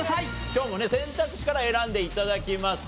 今日もね選択肢から選んで頂きます。